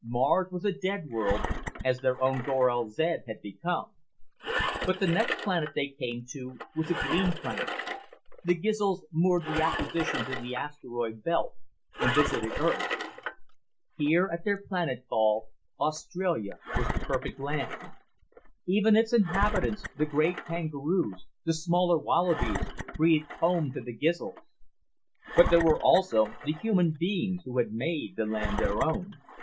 Mars was a dead world, as their own Gorel zed had become. But the next planet they came to was a green planet. The Gizls moored the acquisitions in the asteroid belt and visited Earth. Here, at their planetfall, Australia, was the perfect land. Even its inhabitants the great kangaroos, the smaller wallabies breathed Home to the Gizls. But there were also the human beings who had made the land their own.